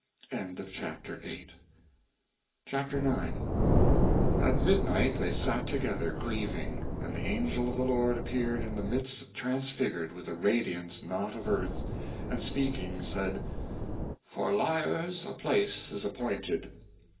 CHAPTER IX At midnight they sat together, grieving, and the angel of the Lord appeared in the midst transfigured with a radiance not of earth; and speaking, said: "For liars a place is appointed.